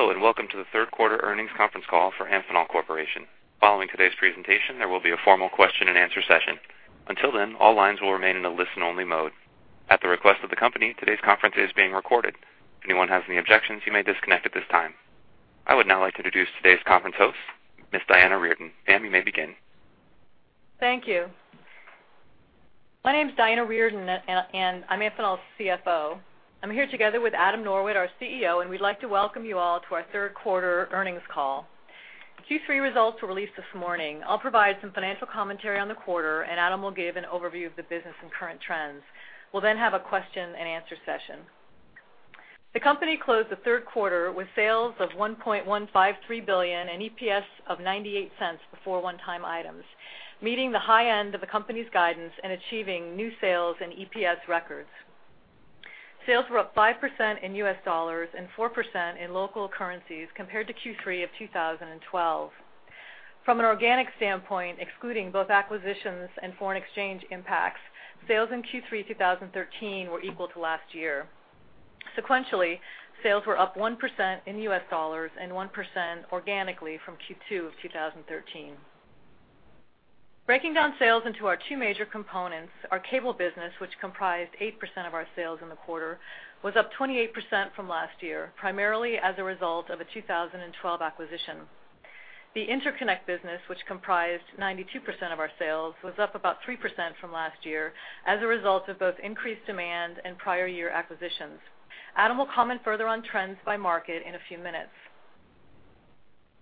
Hello, and welcome to the third quarter earnings conference call for Amphenol Corporation. Following today's presentation, there will be a formal question-and-answer session. Until then, all lines will remain in a listen-only mode. At the request of the company, today's conference is being recorded. If anyone has any objections, you may disconnect at this time. I would now like to introduce today's conference host, Ms. Diana Reardon. Ma'am, you may begin. Thank you. My name's Diana Reardon, and I'm Amphenol's CFO. I'm here together with R. Adam Norwitt, our CEO, and we'd like to welcome you all to our third quarter earnings call. Q3 results were released this morning. I'll provide some financial commentary on the quarter, and Adam will give an overview of the business and current trends. We'll then have a question-and-answer session. The company closed the third quarter with sales of $1.153 billion and EPS of $0.98 before one-time items, meeting the high end of the company's guidance and achieving new sales and EPS records. Sales were up 5% in US dollars and 4% in local currencies compared to Q3 of 2012. From an organic standpoint, excluding both acquisitions and foreign exchange impacts, sales in Q3 2013 were equal to last year. Sequentially, sales were up 1% in US dollars and 1% organically from Q2 of 2013. Breaking down sales into our two major components, our cable business, which comprised 8% of our sales in the quarter, was up 28% from last year, primarily as a result of a 2012 acquisition. The interconnect business, which comprised 92% of our sales, was up about 3% from last year as a result of both increased demand and prior year acquisitions. Adam will comment further on trends by market in a few minutes.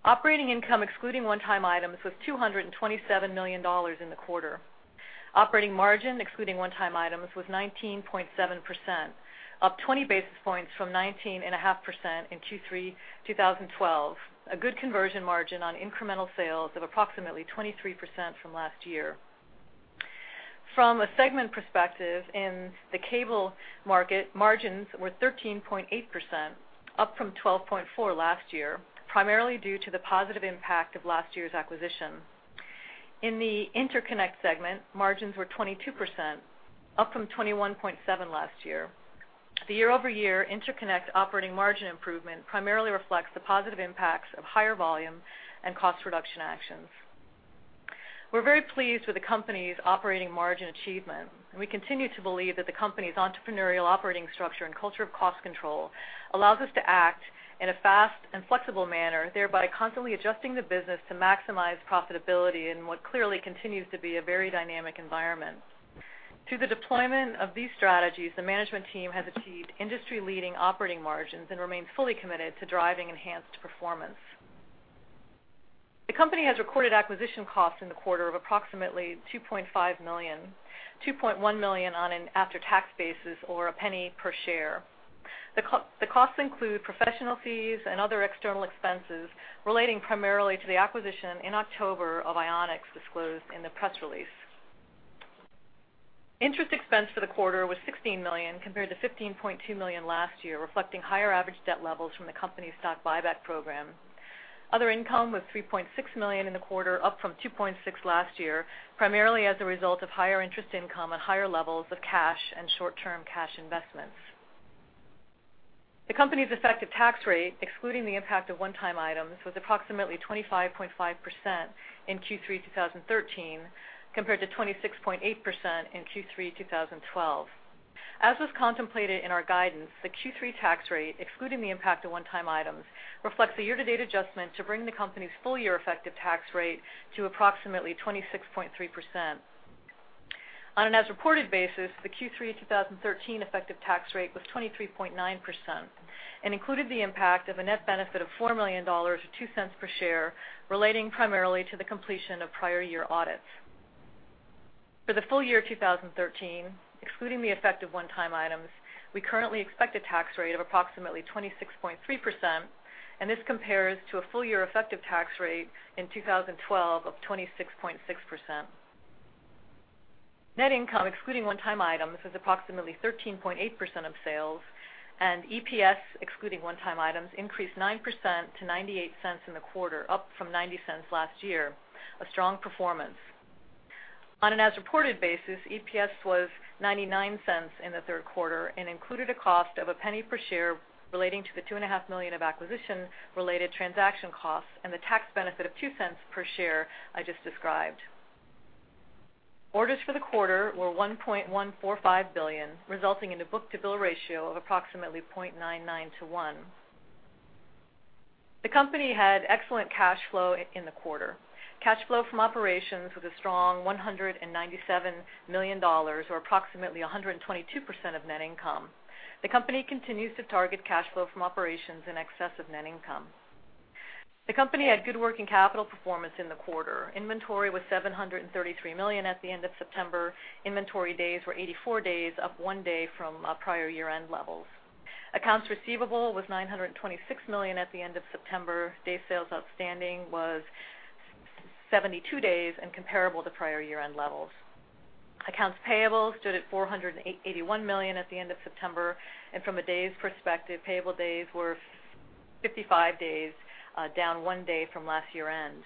Operating income, excluding one-time items, was $227 million in the quarter. Operating margin, excluding one-time items, was 19.7%, up 20 basis points from 19.5% in Q3 2012, a good conversion margin on incremental sales of approximately 23% from last year. From a segment perspective, in the cable market, margins were 13.8%, up from 12.4% last year, primarily due to the positive impact of last year's acquisition. In the interconnect segment, margins were 22%, up from 21.7% last year. The year-over-year interconnect operating margin improvement primarily reflects the positive impacts of higher volume and cost reduction actions. We're very pleased with the company's operating margin achievement, and we continue to believe that the company's entrepreneurial operating structure and culture of cost control allows us to act in a fast and flexible manner, thereby constantly adjusting the business to maximize profitability in what clearly continues to be a very dynamic environment. Through the deployment of these strategies, the management team has achieved industry-leading operating margins and remains fully committed to driving enhanced performance. The company has recorded acquisition costs in the quarter of approximately $2.5 million, $2.1 million on an after-tax basis or $0.01 per share. The costs include professional fees and other external expenses relating primarily to the acquisition in October of Ionix disclosed in the press release. Interest expense for the quarter was $16 million compared to $15.2 million last year, reflecting higher average debt levels from the company's stock buyback program. Other income was $3.6 million in the quarter, up from $2.6 million last year, primarily as a result of higher interest income and higher levels of cash and short-term cash investments. The company's effective tax rate, excluding the impact of one-time items, was approximately 25.5% in Q3 2013 compared to 26.8% in Q3 2012. As was contemplated in our guidance, the Q3 tax rate, excluding the impact of one-time items, reflects a year-to-date adjustment to bring the company's full-year effective tax rate to approximately 26.3%. On an as-reported basis, the Q3 2013 effective tax rate was 23.9% and included the impact of a net benefit of $4 million or $0.02 per share, relating primarily to the completion of prior year audits. For the full year 2013, excluding the effect of one-time items, we currently expect a tax rate of approximately 26.3%, and this compares to a full-year effective tax rate in 2012 of 26.6%. Net income, excluding one-time items, was approximately 13.8% of sales, and EPS, excluding one-time items, increased 9% to $0.98 in the quarter, up from $0.90 last year, a strong performance. On an as-reported basis, EPS was $0.99 in the third quarter and included a cost of $0.01 per share relating to the $2.5 million of acquisition-related transaction costs and the tax benefit of $0.02 per share I just described. Orders for the quarter were $1.145 billion, resulting in a book-to-bill ratio of approximately 0.99 to 1. The company had excellent cash flow in the quarter. Cash flow from operations was a strong $197 million, or approximately 122% of net income. The company continues to target cash flow from operations in excess of net income. The company had good working capital performance in the quarter. Inventory was $733 million at the end of September. Inventory days were 84 days, up one day from prior year-end levels. Accounts receivable was $926 million at the end of September. Days sales outstanding was 72 days and comparable to prior year-end levels. Accounts payable stood at $481 million at the end of September, and from a days perspective, payable days were 55 days, down one day from last year-end.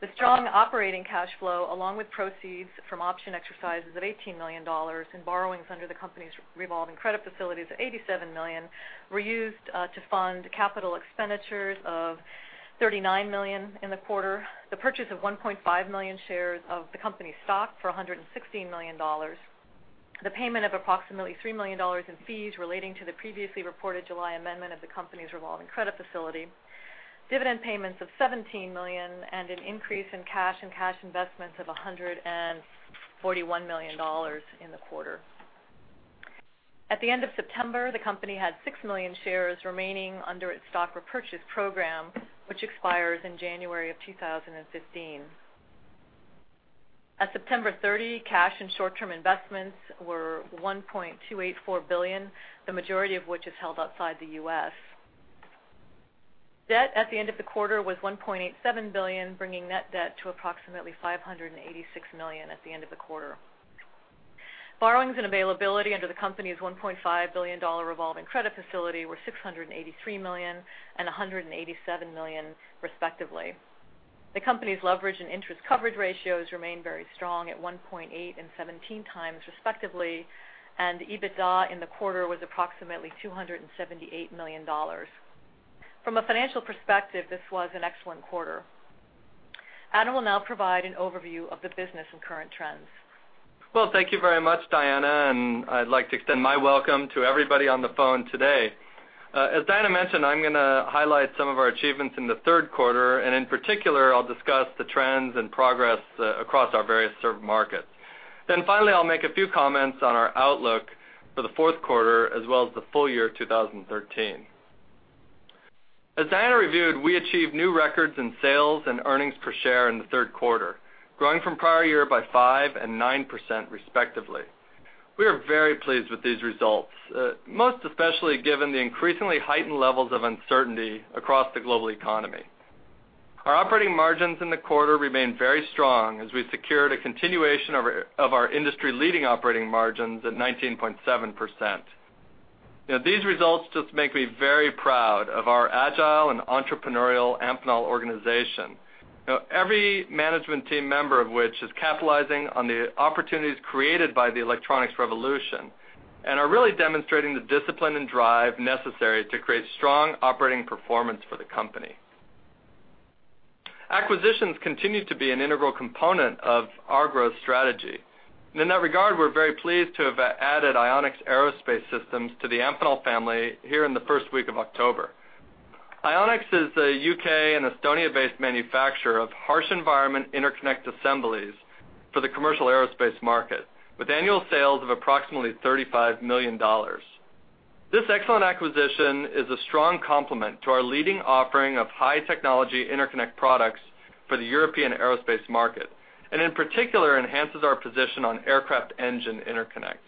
The strong operating cash flow, along with proceeds from option exercises of $18 million and borrowings under the company's revolving credit facilities of $87 million, were used to fund capital expenditures of $39 million in the quarter, the purchase of 1.5 million shares of the company's stock for $116 million, the payment of approximately $3 million in fees relating to the previously reported July amendment of the company's revolving credit facility, dividend payments of $17 million, and an increase in cash and cash investments of $141 million in the quarter. At the end of September, the company had 6 million shares remaining under its stock repurchase program, which expires in January of 2015. At September 30, cash and short-term investments were $1.284 billion, the majority of which is held outside the U.S. Debt at the end of the quarter was $1.87 billion, bringing net debt to approximately $586 million at the end of the quarter. Borrowings and availability under the company's $1.5 billion revolving credit facility were $683 million and $187 million, respectively. The company's leverage and interest coverage ratios remained very strong at 1.8 and 17 times, respectively, and EBITDA in the quarter was approximately $278 million. From a financial perspective, this was an excellent quarter. Adam will now provide an overview of the business and current trends. Well, thank you very much, Diana, and I'd like to extend my welcome to everybody on the phone today. As Diana mentioned, I'm going to highlight some of our achievements in the third quarter, and in particular, I'll discuss the trends and progress across our various markets. Then finally, I'll make a few comments on our outlook for the fourth quarter as well as the full year 2013. As Diana reviewed, we achieved new records in sales and earnings per share in the third quarter, growing from prior year by 5% and 9%, respectively. We are very pleased with these results, most especially given the increasingly heightened levels of uncertainty across the global economy. Our operating margins in the quarter remained very strong as we secured a continuation of our industry-leading operating margins at 19.7%. These results just make me very proud of our agile and entrepreneurial Amphenol organization, every management team member of which is capitalizing on the opportunities created by the electronics revolution and are really demonstrating the discipline and drive necessary to create strong operating performance for the company. Acquisitions continue to be an integral component of our growth strategy. In that regard, we're very pleased to have added Ionix's aerospace systems to the Amphenol family here in the first week of October. Ionix is a U.K. and Estonia-based manufacturer of harsh environment interconnect assemblies for the commercial aerospace market, with annual sales of approximately $35 million. This excellent acquisition is a strong complement to our leading offering of high-technology interconnect products for the European aerospace market and, in particular, enhances our position on aircraft engine interconnect.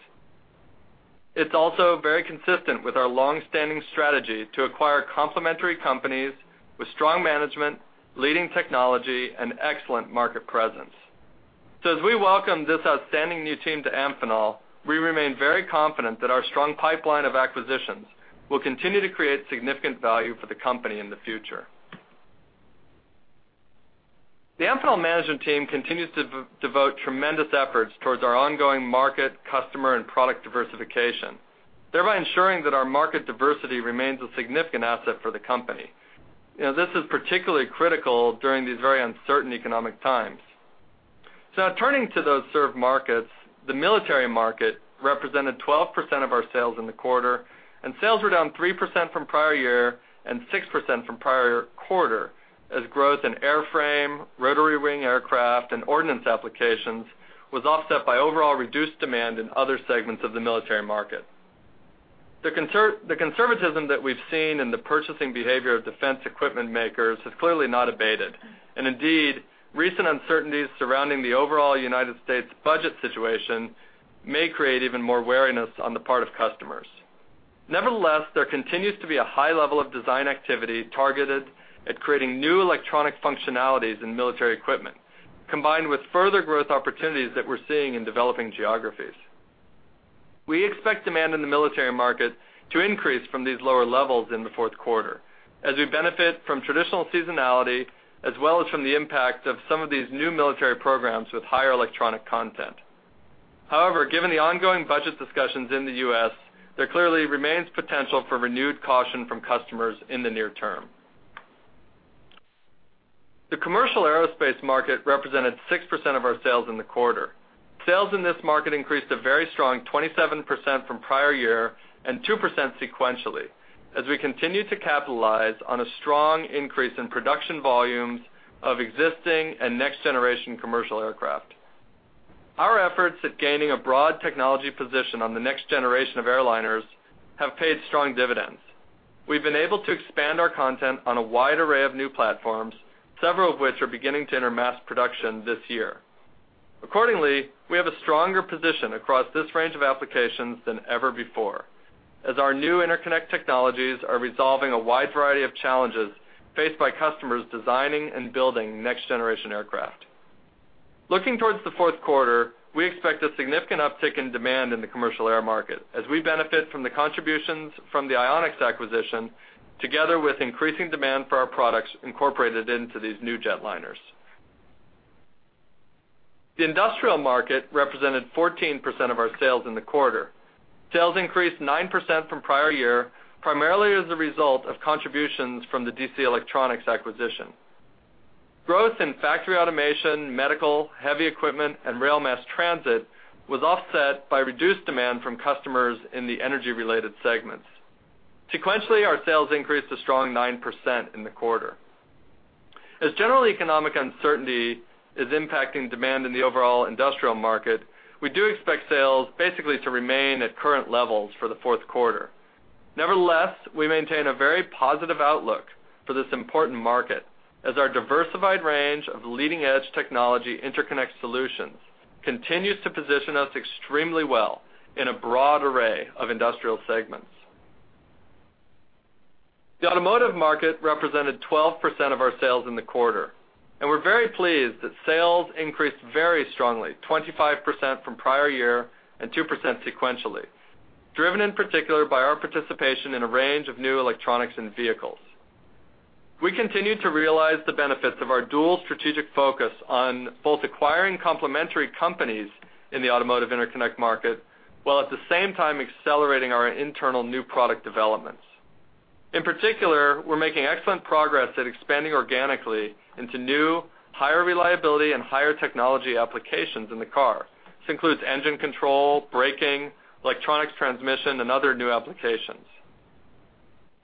It's also very consistent with our long-standing strategy to acquire complementary companies with strong management, leading technology, and excellent market presence. So, as we welcome this outstanding new team to Amphenol, we remain very confident that our strong pipeline of acquisitions will continue to create significant value for the company in the future. The Amphenol management team continues to devote tremendous efforts towards our ongoing market, customer, and product diversification, thereby ensuring that our market diversity remains a significant asset for the company. This is particularly critical during these very uncertain economic times. So, now turning to those served markets, the military market represented 12% of our sales in the quarter, and sales were down 3% from prior year and 6% from prior quarter as growth in airframe, rotary wing aircraft, and ordnance applications was offset by overall reduced demand in other segments of the military market. The conservatism that we've seen in the purchasing behavior of defense equipment makers has clearly not abated, and indeed, recent uncertainties surrounding the overall United States budget situation may create even more wariness on the part of customers. Nevertheless, there continues to be a high level of design activity targeted at creating new electronic functionalities in military equipment, combined with further growth opportunities that we're seeing in developing geographies. We expect demand in the military market to increase from these lower levels in the fourth quarter as we benefit from traditional seasonality as well as from the impact of some of these new military programs with higher electronic content. However, given the ongoing budget discussions in the US, there clearly remains potential for renewed caution from customers in the near term. The commercial aerospace market represented 6% of our sales in the quarter. Sales in this market increased a very strong 27% from prior year and 2% sequentially as we continue to capitalize on a strong increase in production volumes of existing and next-generation commercial aircraft. Our efforts at gaining a broad technology position on the next generation of airliners have paid strong dividends. We've been able to expand our content on a wide array of new platforms, several of which are beginning to enter mass production this year. Accordingly, we have a stronger position across this range of applications than ever before as our new interconnect technologies are resolving a wide variety of challenges faced by customers designing and building next-generation aircraft. Looking towards the fourth quarter, we expect a significant uptick in demand in the commercial air market as we benefit from the contributions from the Ionix's acquisition, together with increasing demand for our products incorporated into these new jetliners. The industrial market represented 14% of our sales in the quarter. Sales increased 9% from prior year, primarily as a result of contributions from the DC Electronics acquisition. Growth in factory automation, medical, heavy equipment, and rail mass transit was offset by reduced demand from customers in the energy-related segments. Sequentially, our sales increased a strong 9% in the quarter. As general economic uncertainty is impacting demand in the overall industrial market, we do expect sales basically to remain at current levels for the fourth quarter. Nevertheless, we maintain a very positive outlook for this important market as our diversified range of leading-edge technology interconnect solutions continues to position us extremely well in a broad array of industrial segments. The automotive market represented 12% of our sales in the quarter, and we're very pleased that sales increased very strongly, 25% from prior year and 2% sequentially, driven in particular by our participation in a range of new electronics and vehicles. We continue to realize the benefits of our dual strategic focus on both acquiring complementary companies in the automotive interconnect market while at the same time accelerating our internal new product developments. In particular, we're making excellent progress at expanding organically into new, higher reliability, and higher technology applications in the car. This includes engine control, braking, electronics transmission, and other new applications.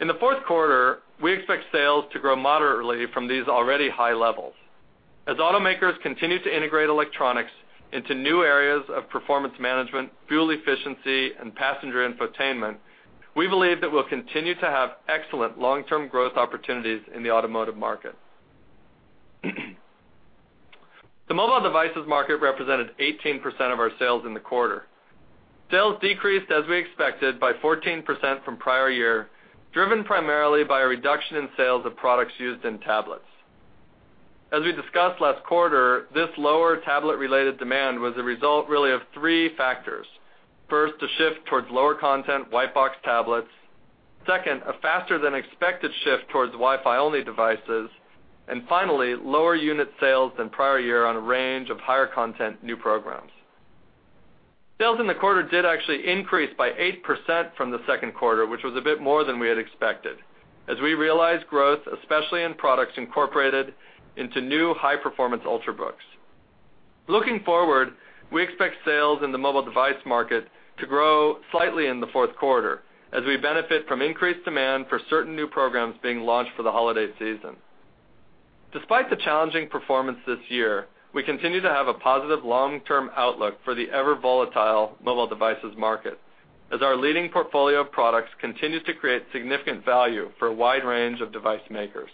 In the fourth quarter, we expect sales to grow moderately from these already high levels. As automakers continue to integrate electronics into new areas of performance management, fuel efficiency, and passenger infotainment, we believe that we'll continue to have excellent long-term growth opportunities in the automotive market. The mobile devices market represented 18% of our sales in the quarter. Sales decreased, as we expected, by 14% from prior year, driven primarily by a reduction in sales of products used in tablets. As we discussed last quarter, this lower tablet-related demand was a result really of three factors. First, a shift towards lower content white-box tablets. Second, a faster-than-expected shift towards Wi-Fi-only devices. And finally, lower unit sales than prior year on a range of higher content new programs. Sales in the quarter did actually increase by 8% from the second quarter, which was a bit more than we had expected as we realized growth, especially in products incorporated into new high-performance Ultrabooks. Looking forward, we expect sales in the mobile device market to grow slightly in the fourth quarter as we benefit from increased demand for certain new programs being launched for the holiday season. Despite the challenging performance this year, we continue to have a positive long-term outlook for the ever-volatile mobile devices market as our leading portfolio of products continues to create significant value for a wide range of device makers.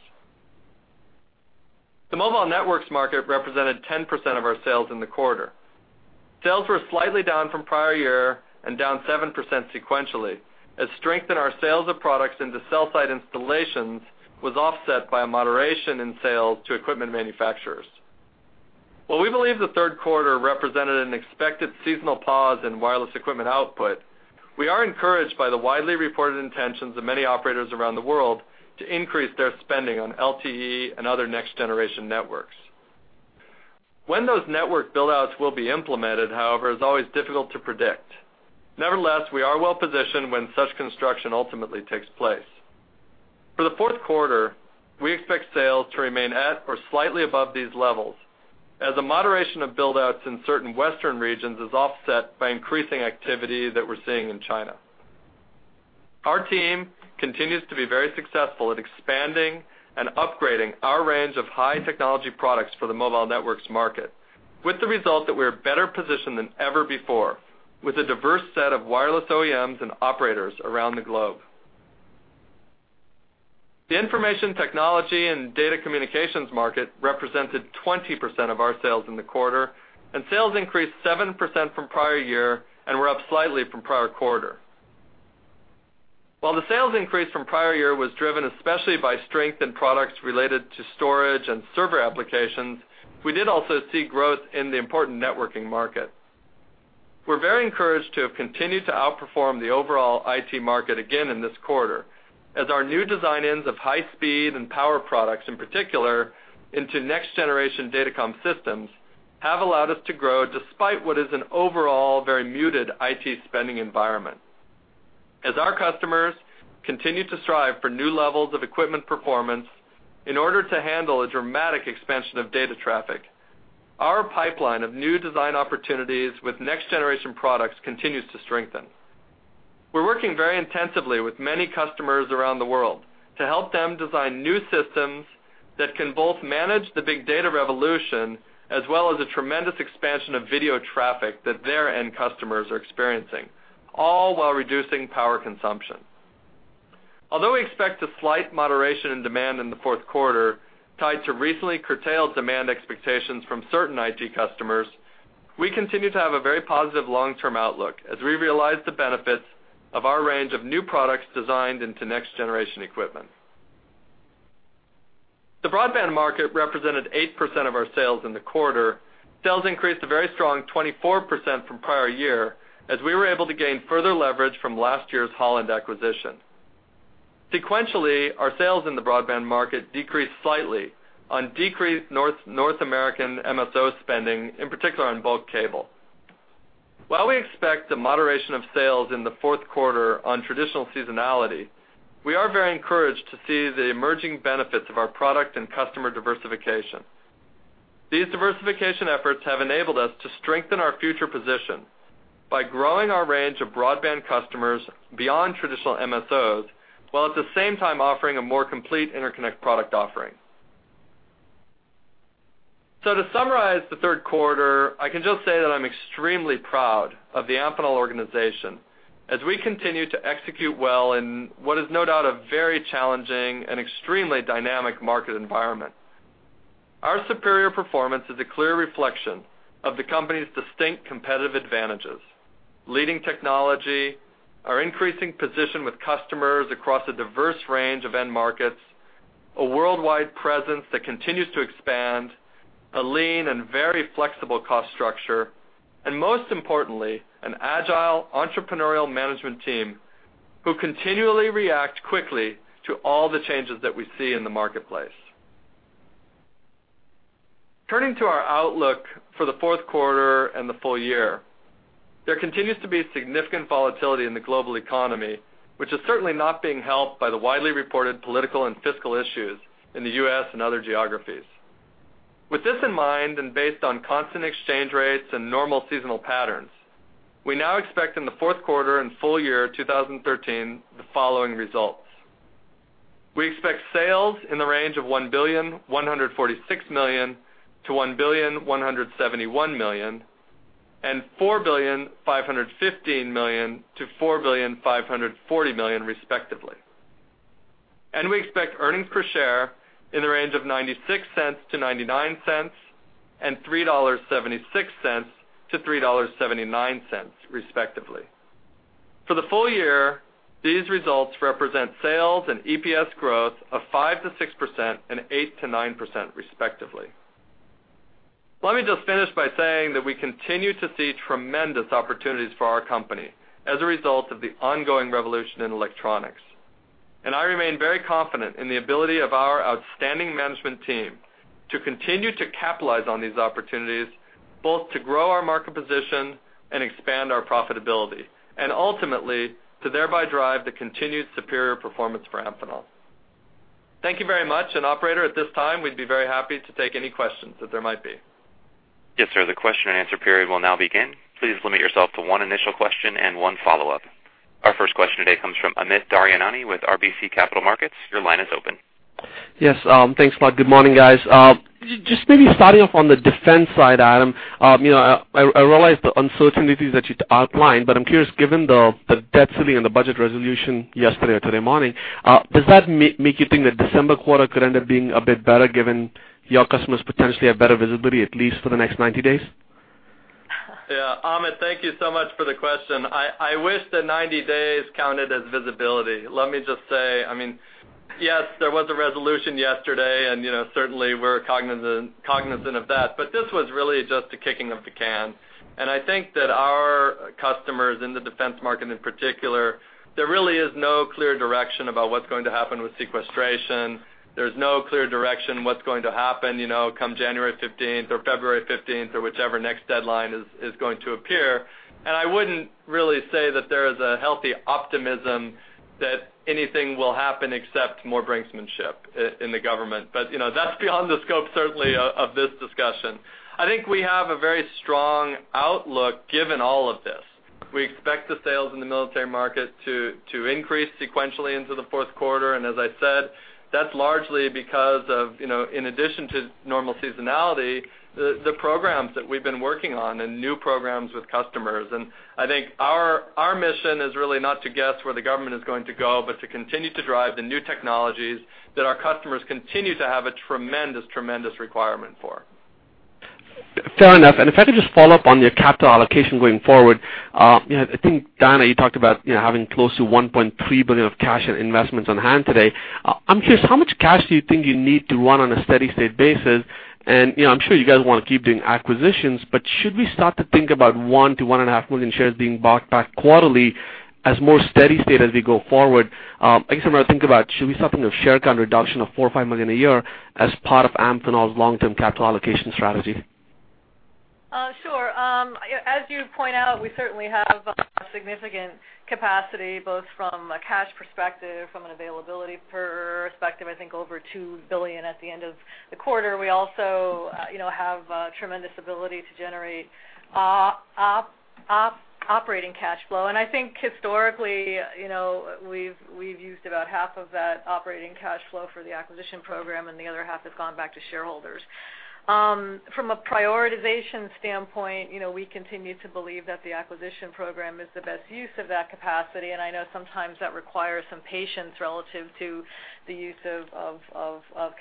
The mobile networks market represented 10% of our sales in the quarter. Sales were slightly down from prior year and down 7% sequentially as strength in our sales of products into cell-site installations was offset by a moderation in sales to equipment manufacturers. While we believe the third quarter represented an expected seasonal pause in wireless equipment output, we are encouraged by the widely reported intentions of many operators around the world to increase their spending on LTE and other next-generation networks. When those network build-outs will be implemented, however, is always difficult to predict. Nevertheless, we are well-positioned when such construction ultimately takes place. For the fourth quarter, we expect sales to remain at or slightly above these levels as a moderation of build-outs in certain western regions is offset by increasing activity that we're seeing in China. Our team continues to be very successful at expanding and upgrading our range of high-technology products for the mobile networks market, with the result that we are better positioned than ever before with a diverse set of wireless OEMs and operators around the globe. The information technology and data communications market represented 20% of our sales in the quarter, and sales increased 7% from prior year and were up slightly from prior quarter. While the sales increase from prior year was driven especially by strength in products related to storage and server applications, we did also see growth in the important networking market. We're very encouraged to have continued to outperform the overall IT market again in this quarter as our new design wins of high-speed and power products, in particular into next-generation datacom systems, have allowed us to grow despite what is an overall very muted IT spending environment. As our customers continue to strive for new levels of equipment performance in order to handle a dramatic expansion of data traffic, our pipeline of new design opportunities with next-generation products continues to strengthen. We're working very intensively with many customers around the world to help them design new systems that can both manage the big data revolution as well as a tremendous expansion of video traffic that their end customers are experiencing, all while reducing power consumption. Although we expect a slight moderation in demand in the fourth quarter tied to recently curtailed demand expectations from certain IT customers, we continue to have a very positive long-term outlook as we realize the benefits of our range of new products designed into next-generation equipment. The broadband market represented 8% of our sales in the quarter. Sales increased a very strong 24% from prior year as we were able to gain further leverage from last year's Holland acquisition. Sequentially, our sales in the broadband market decreased slightly on decreased North American MSO spending, in particular on bulk cable. While we expect a moderation of sales in the fourth quarter on traditional seasonality, we are very encouraged to see the emerging benefits of our product and customer diversification. These diversification efforts have enabled us to strengthen our future position by growing our range of broadband customers beyond traditional MSOs while at the same time offering a more complete interconnect product offering. So, to summarize the third quarter, I can just say that I'm extremely proud of the Amphenol organization as we continue to execute well in what is no doubt a very challenging and extremely dynamic market environment. Our superior performance is a clear reflection of the company's distinct competitive advantages: leading technology, our increasing position with customers across a diverse range of end markets, a worldwide presence that continues to expand, a lean and very flexible cost structure, and most importantly, an agile entrepreneurial management team who continually react quickly to all the changes that we see in the marketplace. Turning to our outlook for the fourth quarter and the full year, there continues to be significant volatility in the global economy, which is certainly not being helped by the widely reported political and fiscal issues in the U.S. and other geographies. With this in mind and based on constant exchange rates and normal seasonal patterns, we now expect in the fourth quarter and full year 2013 the following results. We expect sales in the range of $1,146 million to $1,171 million and $4,515 million to $4,540 million, respectively. We expect earnings per share in the range of $0.96 to$0.99 and $3.76 to $3.79, respectively. For the full year, these results represent sales and EPS growth of 5% to 6% and 8% to 9%, respectively. Let me just finish by saying that we continue to see tremendous opportunities for our company as a result of the ongoing revolution in electronics. I remain very confident in the ability of our outstanding management team to continue to capitalize on these opportunities, both to grow our market position and expand our profitability, and ultimately to thereby drive the continued superior performance for Amphenol. Thank you very much. Operator, at this time, we'd be very happy to take any questions that there might be. Yes, sir. The question and answer period will now begin. Please limit yourself to one initial question and one follow-up. Our first question today comes from Amit Daryanani with RBC Capital Markets. Your line is open. Yes. Thanks a lot. Good morning, guys. Just maybe starting off on the defense side, Adam, I realize the uncertainties that you outlined, but I'm curious, given the debt ceiling and the budget resolution yesterday or today morning, does that make you think that December quarter could end up being a bit better given your customers potentially have better visibility at least for the next 90 days? Yeah. Amit, thank you so much for the question. I wish the 90 days counted as visibility. Let me just say, I mean, yes, there was a resolution yesterday, and certainly, we're cognizant of that. But this was really just a kicking of the can. And I think that our customers in the defense market, in particular, there really is no clear direction about what's going to happen with sequestration. There's no clear direction what's going to happen come January 15th or February 15th or whichever next deadline is going to appear. And I wouldn't really say that there is a healthy optimism that anything will happen except more brinksmanship in the government. But that's beyond the scope, certainly, of this discussion. I think we have a very strong outlook given all of this. We expect the sales in the military market to increase sequentially into the fourth quarter. And as I said, that's largely because of, in addition to normal seasonality, the programs that we've been working on and new programs with customers. I think our mission is really not to guess where the government is going to go, but to continue to drive the new technologies that our customers continue to have a tremendous, tremendous requirement for. Fair enough. And if I could just follow up on your capital allocation going forward, I think, Dan, you talked about having close to $1.3 billion of cash and investments on hand today. I'm curious, how much cash do you think you need to run on a steady-state basis? And I'm sure you guys want to keep doing acquisitions, but should we start to think about 1 to 1.5 million shares being bought back quarterly as more steady-state as we go forward? I guess I'm going to think about, should we start thinking of share count reduction of four or five million a year as part of Amphenol's long-term capital allocation strategy? Sure. As you point out, we certainly have significant capacity both from a cash perspective, from an availability perspective, I think over $2 billion at the end of the quarter. We also have tremendous ability to generate operating cash flow. And I think historically, we've used about half of that operating cash flow for the acquisition program, and the other half has gone back to shareholders. From a prioritization standpoint, we continue to believe that the acquisition program is the best use of that capacity. And I know sometimes that requires some patience relative to the use of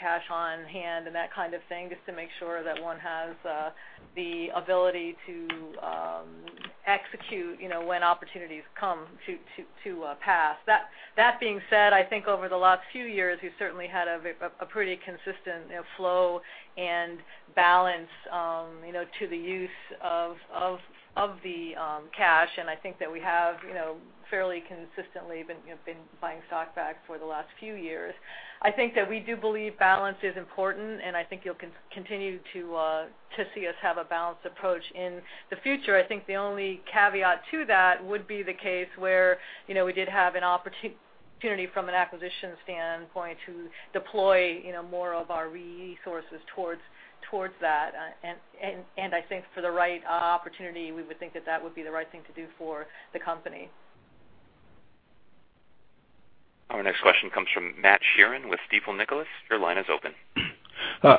cash on hand and that kind of thing just to make sure that one has the ability to execute when opportunities come to pass. That being said, I think over the last few years, we've certainly had a pretty consistent flow and balance to the use of the cash. I think that we have fairly consistently been buying stock back for the last few years. I think that we do believe balance is important, and I think you'll continue to see us have a balanced approach in the future. I think the only caveat to that would be the case where we did have an opportunity from an acquisition standpoint to deploy more of our resources towards that. And I think for the right opportunity, we would think that that would be the right thing to do for the company. Our next question comes from Matt Sheerin with Stifel Nicolaus. Your line is open.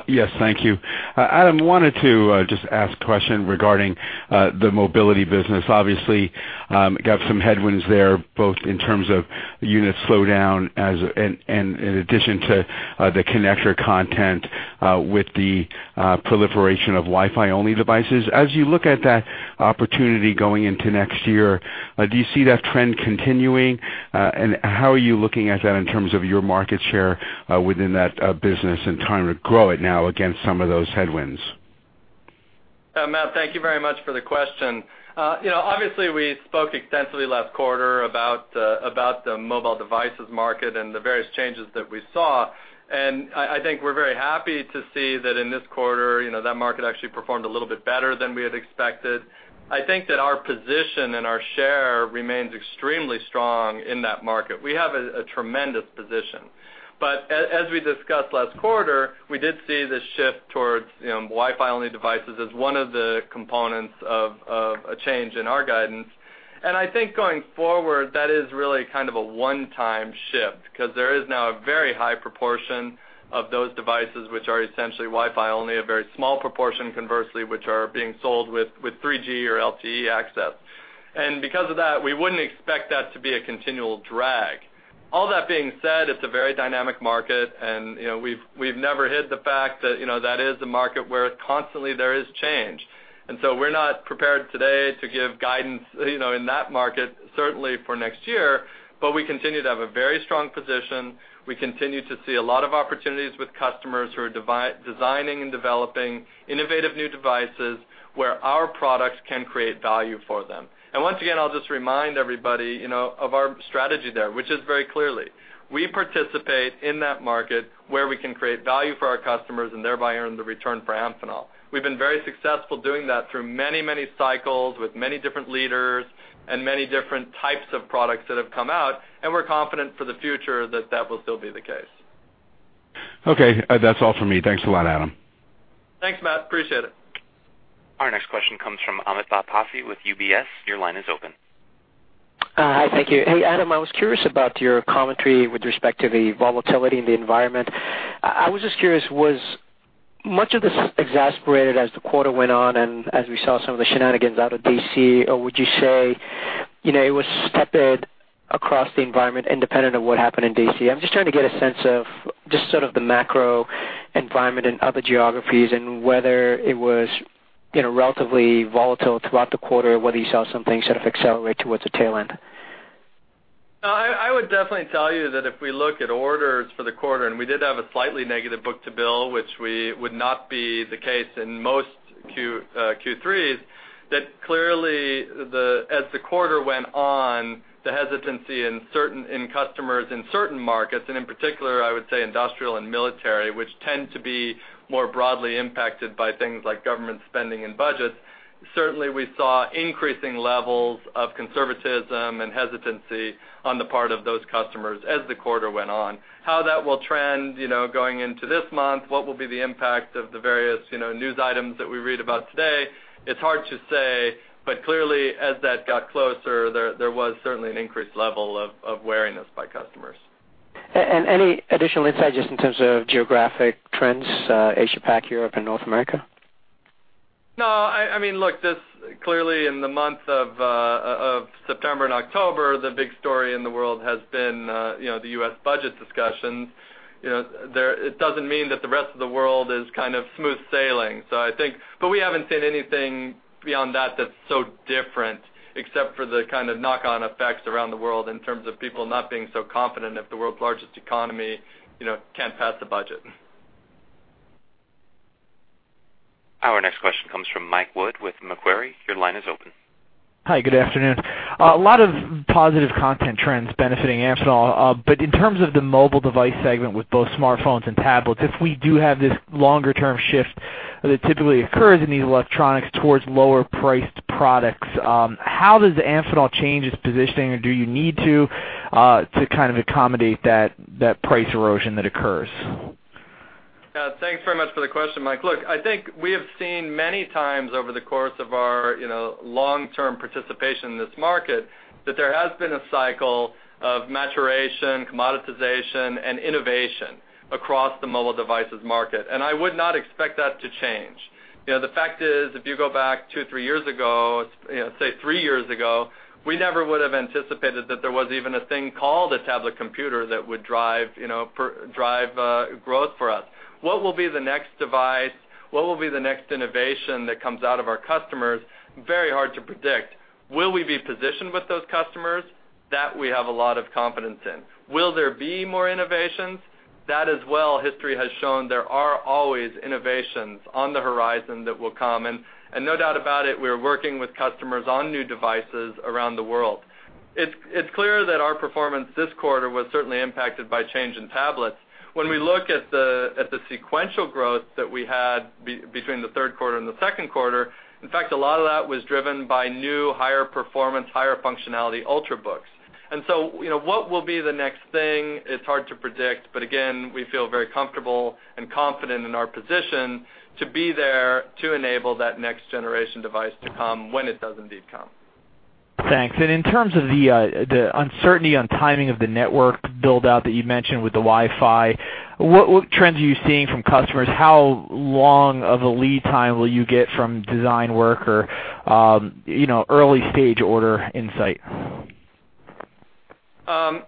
Yes. Thank you. Adam, wanted to just ask a question regarding the mobility business. Obviously, got some headwinds there both in terms of unit slowdown and in addition to the connector content with the proliferation of Wi-Fi-only devices. As you look at that opportunity going into next year, do you see that trend continuing? And how are you looking at that in terms of your market share within that business and trying to grow it now against some of those headwinds? Matt, thank you very much for the question. Obviously, we spoke extensively last quarter about the mobile devices market and the various changes that we saw. I think we're very happy to see that in this quarter, that market actually performed a little bit better than we had expected. I think that our position and our share remains extremely strong in that market. We have a tremendous position. But as we discussed last quarter, we did see the shift towards Wi-Fi-only devices as one of the components of a change in our guidance. I think going forward, that is really kind of a one-time shift because there is now a very high proportion of those devices which are essentially Wi-Fi-only, a very small proportion conversely, which are being sold with 3G or LTE access. Because of that, we wouldn't expect that to be a continual drag. All that being said, it's a very dynamic market, and we've never hid the fact that that is a market where constantly there is change. So we're not prepared today to give guidance in that market, certainly for next year, but we continue to have a very strong position. We continue to see a lot of opportunities with customers who are designing and developing innovative new devices where our products can create value for them. Once again, I'll just remind everybody of our strategy there, which is very clearly we participate in that market where we can create value for our customers and thereby earn the return for Amphenol. We've been very successful doing that through many, many cycles with many different leaders and many different types of products that have come out. We're confident for the future that that will still be the case. Okay. That's all for me. Thanks a lot, Adam. Thanks, Matt. Appreciate it. Our next question comes from Amitabh Passi with UBS. Your line is open. Hi. Thank you. Hey, Adam, I was curious about your commentary with respect to the volatility in the environment. I was just curious, was much of this exacerbated as the quarter went on and as we saw some of the shenanigans out of D.C., or would you say it was separate across the environment independent of what happened in D.C.? I'm just trying to get a sense of just sort of the macro environment in other geographies and whether it was relatively volatile throughout the quarter, whether you saw some things sort of accelerate towards the tail end. I would definitely tell you that if we look at orders for the quarter, and we did have a slightly negative book to bill, which would not be the case in most Q3s, that clearly as the quarter went on, the hesitancy in customers in certain markets, and in particular, I would say industrial and military, which tend to be more broadly impacted by things like government spending and budgets, certainly we saw increasing levels of conservatism and hesitancy on the part of those customers as the quarter went on. How that will trend going into this month, what will be the impact of the various news items that we read about today, it's hard to say. But clearly, as that got closer, there was certainly an increased level of wariness by customers. Any additional insight just in terms of geographic trends, Asia-Pac, Europe, and North America? No. I mean, look, clearly in the month of September and October, the big story in the world has been the U.S. budget discussions. It doesn't mean that the rest of the world is kind of smooth sailing. But we haven't seen anything beyond that that's so different except for the kind of knock-on effects around the world in terms of people not being so confident if the world's largest economy can't pass the budget. Our next question comes from Mike Wood with Macquarie. Your line is open. Hi. Good afternoon. A lot of positive connector trends benefiting Amphenol. But in terms of the mobile device segment with both smartphones and tablets, if we do have this longer-term shift that typically occurs in these electronics towards lower-priced products, how does Amphenol change its positioning, or do you need to kind of accommodate that price erosion that occurs? Thanks very much for the question, Mike. Look, I think we have seen many times over the course of our long-term participation in this market that there has been a cycle of maturation, commoditization, and innovation across the mobile devices market. I would not expect that to change. The fact is, if you go back two or three years ago, say three years ago, we never would have anticipated that there was even a thing called a tablet computer that would drive growth for us. What will be the next device? What will be the next innovation that comes out of our customers? Very hard to predict. Will we be positioned with those customers? That we have a lot of confidence in. Will there be more innovations? That as well, history has shown there are always innovations on the horizon that will come. And no doubt about it, we're working with customers on new devices around the world. It's clear that our performance this quarter was certainly impacted by change in tablets. When we look at the sequential growth that we had between the third quarter and the second quarter, in fact, a lot of that was driven by new, higher-performance, higher-functionality Ultrabooks. And so what will be the next thing? It's hard to predict. But again, we feel very comfortable and confident in our position to be there to enable that next-generation device to come when it does indeed come. Thanks. And in terms of the uncertainty on timing of the network build-out that you mentioned with the Wi-Fi, what trends are you seeing from customers? How long of a lead time will you get from design work or early-stage order insight?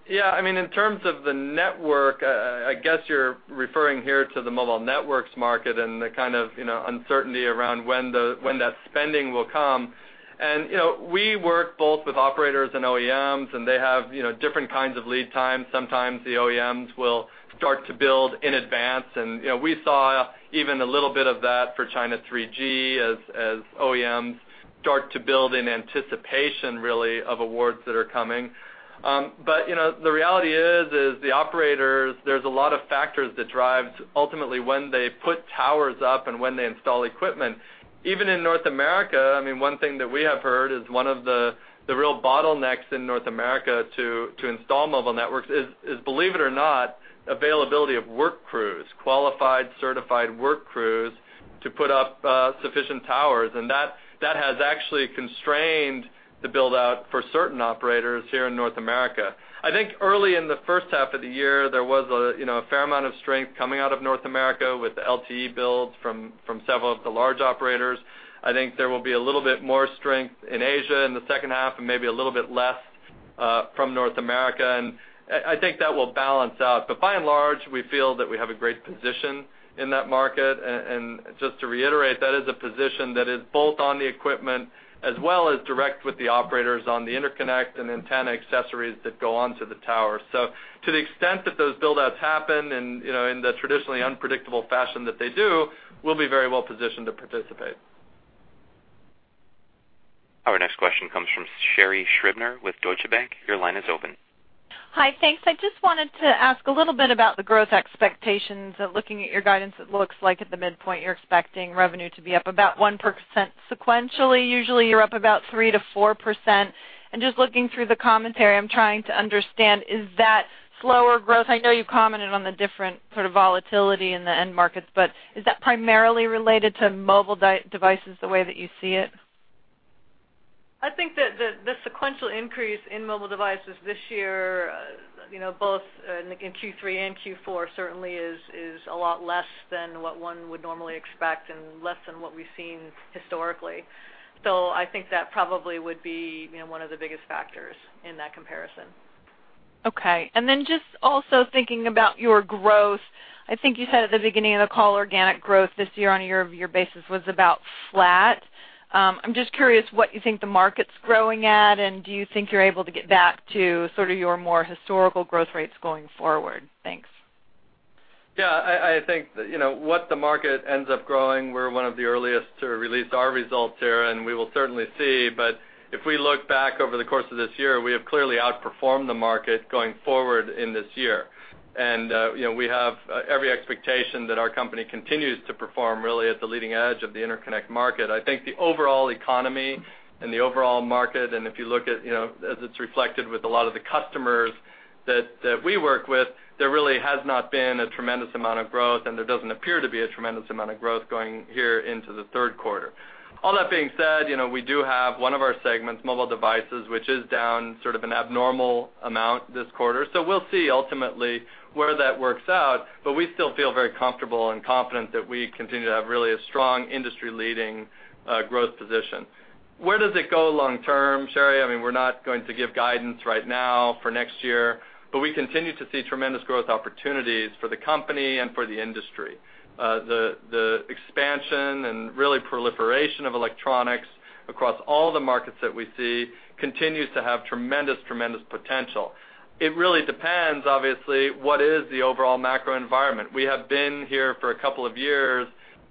Yeah. I mean, in terms of the network, I guess you're referring here to the mobile networks market and the kind of uncertainty around when that spending will come. And we work both with operators and OEMs, and they have different kinds of lead times. Sometimes the OEMs will start to build in advance. And we saw even a little bit of that for China 3G as OEMs start to build in anticipation, really, of awards that are coming. But the reality is, the operators, there's a lot of factors that drive ultimately when they put towers up and when they install equipment. Even in North America, I mean, one thing that we have heard is one of the real bottlenecks in North America to install mobile networks is, believe it or not, availability of work crews, qualified, certified work crews to put up sufficient towers. That has actually constrained the build-out for certain operators here in North America. I think early in the first half of the year, there was a fair amount of strength coming out of North America with LTE builds from several of the large operators. I think there will be a little bit more strength in Asia in the second half and maybe a little bit less from North America. I think that will balance out. But by and large, we feel that we have a great position in that market. Just to reiterate, that is a position that is both on the equipment as well as direct with the operators on the interconnect and antenna accessories that go onto the towers. To the extent that those build-outs happen in the traditionally unpredictable fashion that they do, we'll be very well positioned to participate. Our next question comes from Sherri Scribner with Deutsche Bank. Your line is open. Hi. Thanks. I just wanted to ask a little bit about the growth expectations. Looking at your guidance, it looks like at the midpoint, you're expecting revenue to be up about 1% sequentially. Usually, you're up about 3% to 4%. Just looking through the commentary, I'm trying to understand, is that slower growth? I know you commented on the different sort of volatility in the end markets, but is that primarily related to mobile devices the way that you see it? I think that the sequential increase in mobile devices this year, both in Q3 and Q4, certainly is a lot less than what one would normally expect and less than what we've seen historically. So I think that probably would be one of the biggest factors in that comparison. Okay. Then just also thinking about your growth, I think you said at the beginning of the call, organic growth this year on a year-over-year basis was about flat. I'm just curious what you think the market's growing at, and do you think you're able to get back to sort of your more historical growth rates going forward? Thanks. Yeah. I think what the market ends up growing, we're one of the earliest to release our results here, and we will certainly see. But if we look back over the course of this year, we have clearly outperformed the market going forward in this year. We have every expectation that our company continues to perform really at the leading edge of the interconnect market. I think the overall economy and the overall market, and if you look at as it's reflected with a lot of the customers that we work with, there really has not been a tremendous amount of growth, and there doesn't appear to be a tremendous amount of growth going here into the third quarter. All that being said, we do have one of our segments, mobile devices, which is down sort of an abnormal amount this quarter. So we'll see ultimately where that works out. But we still feel very comfortable and confident that we continue to have really a strong industry-leading growth position. Where does it go long-term, Sherri? I mean, we're not going to give guidance right now for next year, but we continue to see tremendous growth opportunities for the company and for the industry. The expansion and really proliferation of electronics across all the markets that we see continues to have tremendous, tremendous potential. It really depends, obviously, what is the overall macro environment. We have been here for a couple of years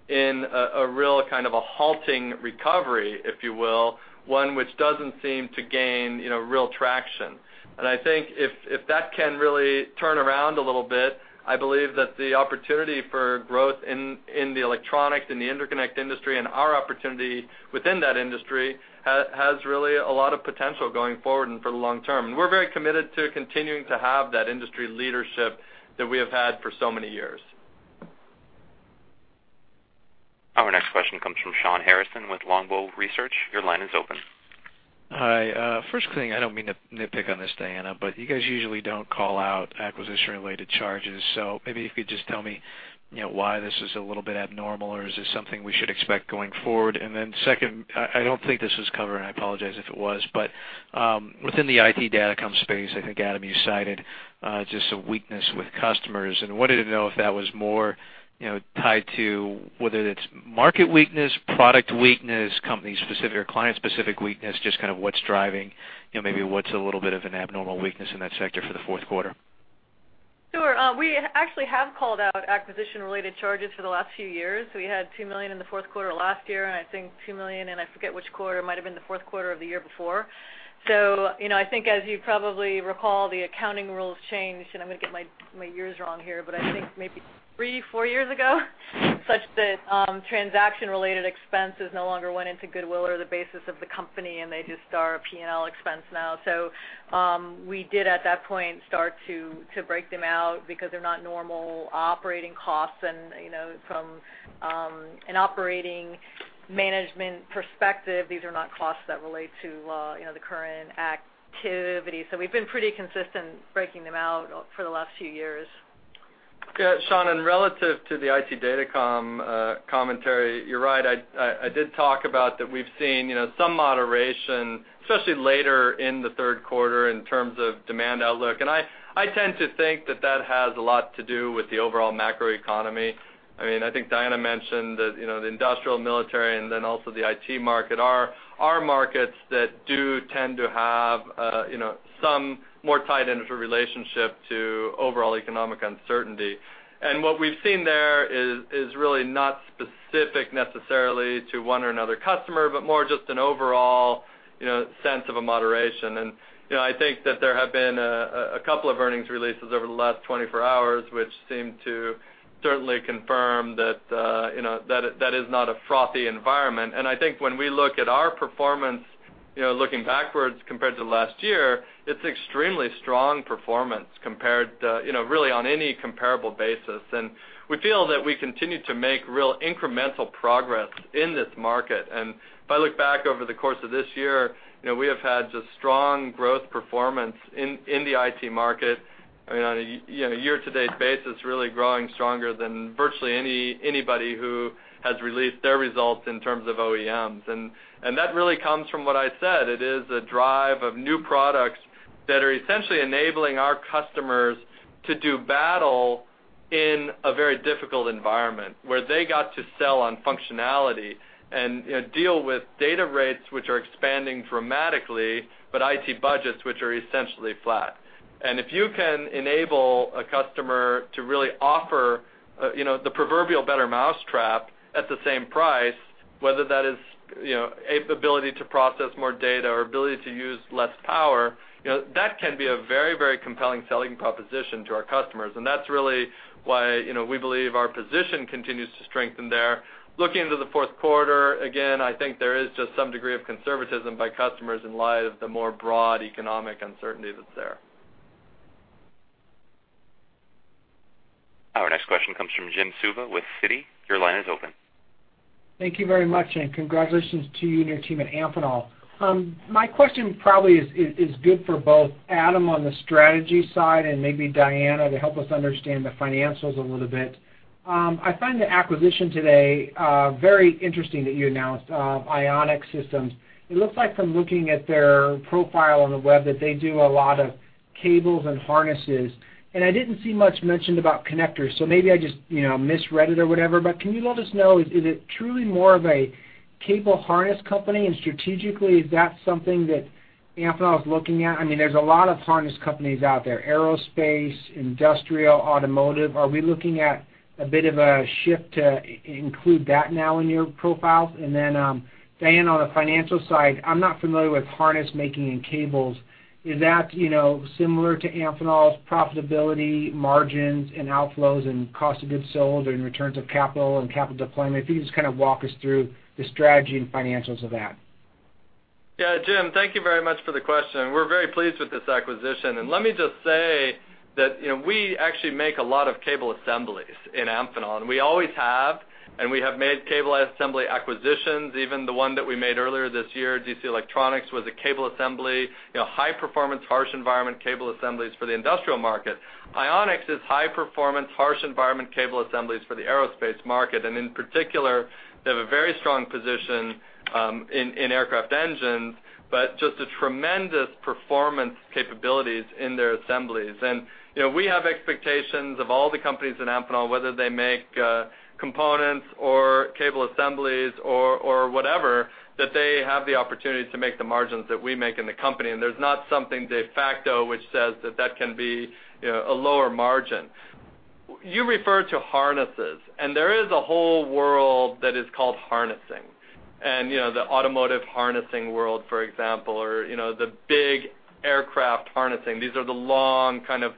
in a real kind of a halting recovery, if you will, one which doesn't seem to gain real traction. I think if that can really turn around a little bit, I believe that the opportunity for growth in the electronics, in the interconnect industry, and our opportunity within that industry has really a lot of potential going forward and for the long term. We're very committed to continuing to have that industry leadership that we have had for so many years. Our next question comes from Shawn Harrison with Longbow Research. Your line is open. Hi. First thing, I don't mean to nitpick on this, Diana, but you guys usually don't call out acquisition-related charges. So maybe if you could just tell me why this is a little bit abnormal, or is this something we should expect going forward? And then second, I don't think this was covered, and I apologize if it was, but within the IT datacom space. I think, Adam, you cited just a weakness with customers. And wanted to know if that was more tied to whether it's market weakness, product weakness, company-specific or client-specific weakness, just kind of what's driving maybe what's a little bit of an abnormal weakness in that sector for the fourth quarter. Sure. We actually have called out acquisition-related charges for the last few years. We had $2 million in the fourth quarter last year, and I think $2 million in, I forget which quarter, might have been the fourth quarter of the year before. So I think, as you probably recall, the accounting rules changed, and I'm going to get my years wrong here, but I think maybe three, four years ago, such that transaction-related expenses no longer went into Goodwill or the basis of the company, and they just are a P&L expense now. So we did, at that point, start to break them out because they're not normal operating costs. And from an operating management perspective, these are not costs that relate to the current activity. So we've been pretty consistent breaking them out for the last few years. Yeah. Shawn, and relative to the IT data commentary, you're right. I did talk about that we've seen some moderation, especially later in the third quarter in terms of demand outlook. And I tend to think that that has a lot to do with the overall macroeconomy. I mean, I think Diana mentioned that the industrial, military, and then also the IT market are markets that do tend to have some more tight interrelationship to overall economic uncertainty. And what we've seen there is really not specific necessarily to one or another customer, but more just an overall sense of a moderation. And I think that there have been a couple of earnings releases over the last 24 hours, which seem to certainly confirm that that is not a frothy environment. And I think when we look at our performance, looking backwards compared to last year, it's extremely strong performance compared to really on any comparable basis. And we feel that we continue to make real incremental progress in this market. And if I look back over the course of this year, we have had just strong growth performance in the IT market. I mean, on a year-to-date basis, really growing stronger than virtually anybody who has released their results in terms of OEMs. And that really comes from what I said. It is a drive of new products that are essentially enabling our customers to do battle in a very difficult environment where they got to sell on functionality and deal with data rates which are expanding dramatically, but IT budgets which are essentially flat. And if you can enable a customer to really offer the proverbial better mousetrap at the same price, whether that is ability to process more data or ability to use less power, that can be a very, very compelling selling proposition to our customers. And that's really why we believe our position continues to strengthen there. Looking into the fourth quarter, again, I think there is just some degree of conservatism by customers in light of the more broad economic uncertainty that's there. Our next question comes from Jim Suva with Citi. Your line is open. Thank you very much, and congratulations to you and your team at Amphenol. My question probably is good for both Adam on the strategy side and maybe Diana to help us understand the financials a little bit. I find the acquisition today very interesting that you announced, Ionix Systems. It looks like from looking at their profile on the web that they do a lot of cables and harnesses. I didn't see much mentioned about connectors, so maybe I just misread it or whatever. But can you let us know, is it truly more of a cable harness company? And strategically, is that something that Amphenol is looking at? I mean, there's a lot of harness companies out there: aerospace, industrial, automotive. Are we looking at a bit of a shift to include that now in your profiles? And then Diana, on the financial side, I'm not familiar with harness making and cables. Is that similar to Amphenol's profitability, margins, and outflows, and cost of goods sold, and returns of capital, and capital deployment? If you could just kind of walk us through the strategy and financials of that. Yeah. Jim, thank you very much for the question. We're very pleased with this acquisition. And let me just say that we actually make a lot of cable assemblies in Amphenol. And we always have, and we have made cable assembly acquisitions. Even the one that we made earlier this year, DC Electronics, was a cable assembly, high-performance harsh environment cable assemblies for the industrial market. Ionix Aerospace is high-performance harsh environment cable assemblies for the aerospace market. And in particular, they have a very strong position in aircraft engines, but just a tremendous performance capabilities in their assemblies. And we have expectations of all the companies in Amphenol, whether they make components or cable assemblies or whatever, that they have the opportunity to make the margins that we make in the company. And there's not something de facto which says that that can be a lower margin. You refer to harnesses, and there is a whole world that is called harnessing. And the automotive harnessing world, for example, or the big aircraft harnessing, these are the long kind of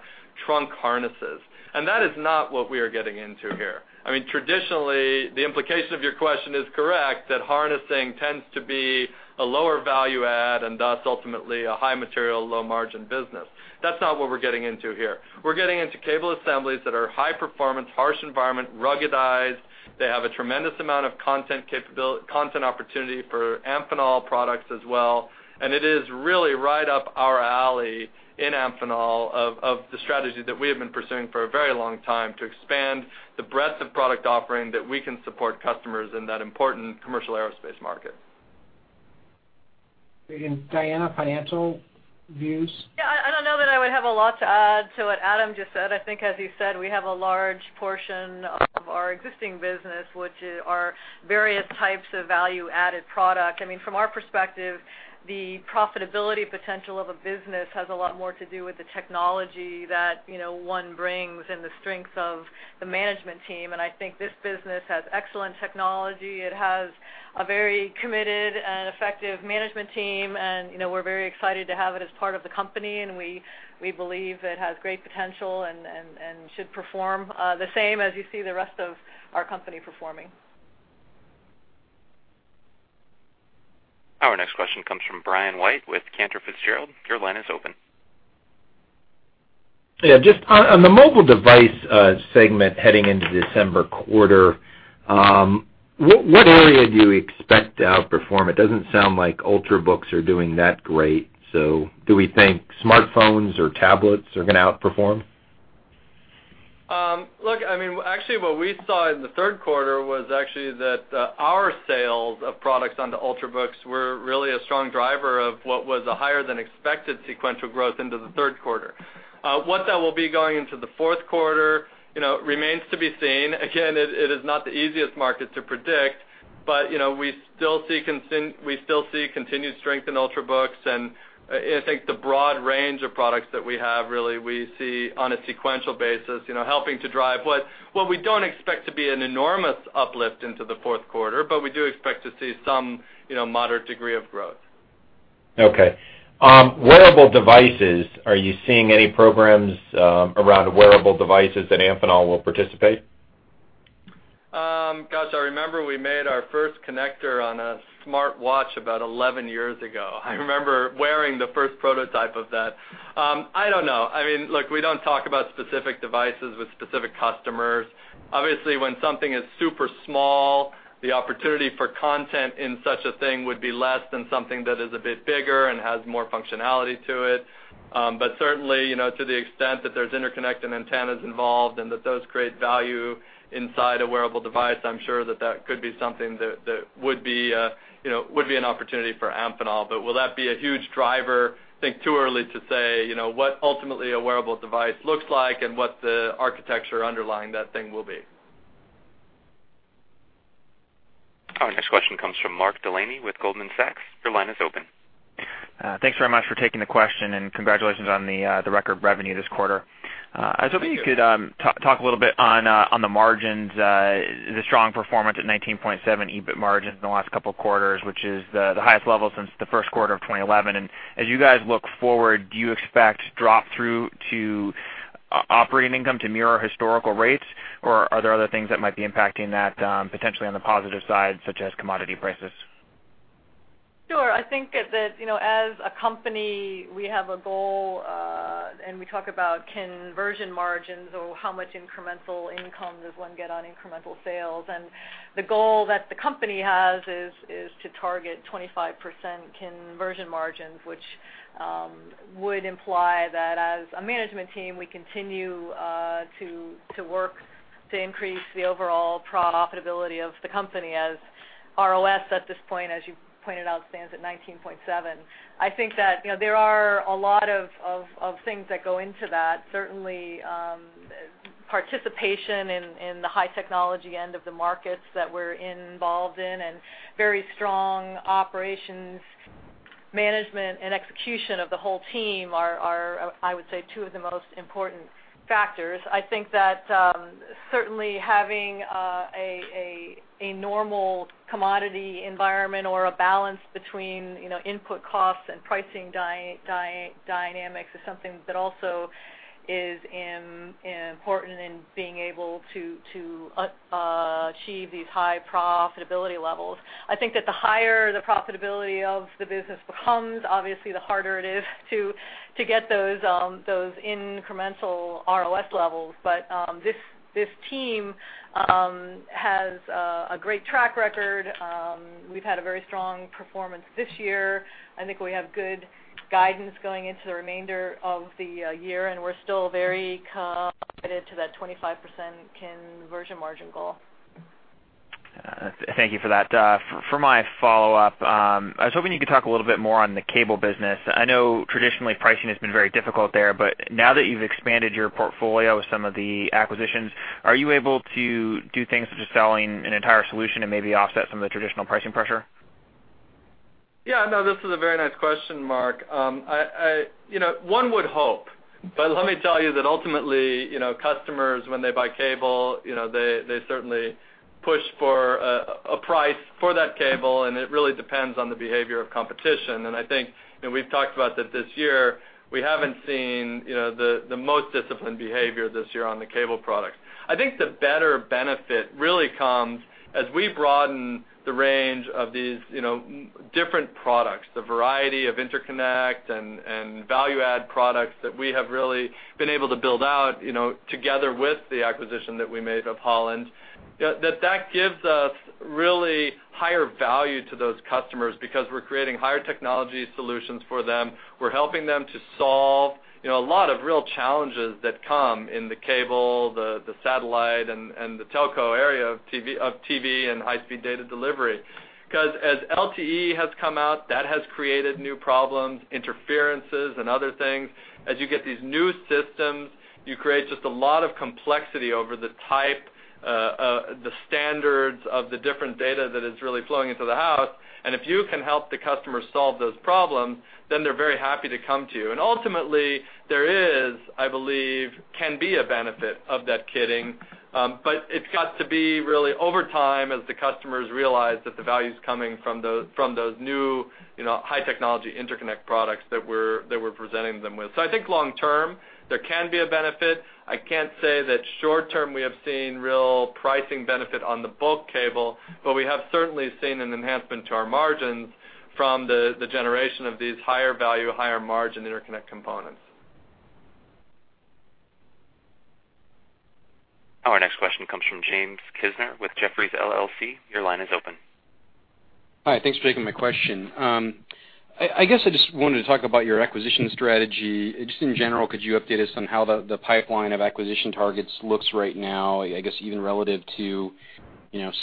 trunk harnesses. And that is not what we are getting into here. I mean, traditionally, the implication of your question is correct, that harnessing tends to be a lower value-add and thus ultimately a high-material, low-margin business. That's not what we're getting into here. We're getting into cable assemblies that are high-performance harsh environment, ruggedized. They have a tremendous amount of content opportunity for Amphenol products as well. And it is really right up our alley in Amphenol of the strategy that we have been pursuing for a very long time to expand the breadth of product offering that we can support customers in that important commercial aerospace market. And Diana, financial views? Yeah. I don't know that I would have a lot to add to what Adam just said. I think, as you said, we have a large portion of our existing business, which are various types of value-added products. I mean, from our perspective, the profitability potential of a business has a lot more to do with the technology that one brings and the strength of the management team. I think this business has excellent technology. It has a very committed and effective management team, and we're very excited to have it as part of the company. We believe it has great potential and should perform the same as you see the rest of our company performing. Our next question comes from Brian White with Cantor Fitzgerald. Your line is open. Yeah. Just on the mobile device segment heading into December quarter, what area do you expect to outperform? It doesn't sound like Ultrabooks are doing that great. So do we think smartphones or tablets are going to outperform? Look, I mean, actually what we saw in the third quarter was actually that our sales of products onto Ultrabooks were really a strong driver of what was a higher-than-expected sequential growth into the third quarter. What that will be going into the fourth quarter remains to be seen. Again, it is not the easiest market to predict, but we still see continued strength in Ultrabooks. And I think the broad range of products that we have really we see on a sequential basis helping to drive what we don't expect to be an enormous uplift into the fourth quarter, but we do expect to see some moderate degree of growth. Okay. Wearable devices, are you seeing any programs around wearable devices that Amphenol will participate? Gosh, I remember we made our first connector on a smartwatch about 11 years ago. I remember wearing the first prototype of that. I don't know. I mean, look, we don't talk about specific devices with specific customers. Obviously, when something is super small, the opportunity for content in such a thing would be less than something that is a bit bigger and has more functionality to it. But certainly, to the extent that there's interconnect and antennas involved and that those create value inside a wearable device, I'm sure that that could be something that would be an opportunity for Amphenol. But will that be a huge driver? I think it's too early to say what ultimately a wearable device looks like and what the architecture underlying that thing will be. Our next question comes from Mark Delaney with Goldman Sachs. Your line is open. Thanks very much for taking the question, and congratulations on the record revenue this quarter. I was hoping you could talk a little bit on the margins, the strong performance at 19.7% EBIT margins in the last couple of quarters, which is the highest level since the first quarter of 2011. And as you guys look forward, do you expect drop-through to operating income to mirror historical rates, or are there other things that might be impacting that potentially on the positive side, such as commodity prices? Sure. I think that as a company, we have a goal, and we talk about conversion margins or how much incremental income does one get on incremental sales. The goal that the company has is to target 25% conversion margins, which would imply that as a management team, we continue to work to increase the overall profitability of the company as ROS at this point, as you pointed out, stands at 19.7%. I think that there are a lot of things that go into that. Certainly, participation in the high-technology end of the markets that we're involved in and very strong operations management and execution of the whole team are, I would say, two of the most important factors. I think that certainly having a normal commodity environment or a balance between input costs and pricing dynamics is something that also is important in being able to achieve these high profitability levels. I think that the higher the profitability of the business becomes, obviously the harder it is to get those incremental ROS levels. But this team has a great track record. We've had a very strong performance this year. I think we have good guidance going into the remainder of the year, and we're still very committed to that 25% conversion margin goal. Thank you for that. For my follow-up, I was hoping you could talk a little bit more on the cable business. I know traditionally pricing has been very difficult there, but now that you've expanded your portfolio with some of the acquisitions, are you able to do things such as selling an entire solution and maybe offset some of the traditional pricing pressure? Yeah. No, this is a very nice question, Mark. One would hope, but let me tell you that ultimately customers, when they buy cable, they certainly push for a price for that cable, and it really depends on the behavior of competition. I think we've talked about that this year. We haven't seen the most disciplined behavior this year on the cable products. I think the better benefit really comes as we broaden the range of these different products, the variety of interconnect and value-add products that we have really been able to build out together with the acquisition that we made of Holland, that that gives us really higher value to those customers because we're creating higher technology solutions for them. We're helping them to solve a lot of real challenges that come in the cable, the satellite, and the telco area of TV and high-speed data delivery. Because as LTE has come out, that has created new problems, interferences, and other things. As you get these new systems, you create just a lot of complexity over the type, the standards of the different data that is really flowing into the house. And if you can help the customer solve those problems, then they're very happy to come to you. And ultimately, there is, I believe, can be a benefit of that kitting. But it's got to be really over time as the customers realize that the value is coming from those new high-technology interconnect products that we're presenting them with. So I think long-term, there can be a benefit. I can't say that short-term we have seen real pricing benefit on the bulk cable, but we have certainly seen an enhancement to our margins from the generation of these higher value, higher margin interconnect components. Our next question comes from James Kisner with Jefferies LLC. Your line is open. HI! Thanks for taking my question. I guess I just wanted to talk about your acquisition strategy. Just in general, could you update us on how the pipeline of acquisition targets looks right now, I guess even relative to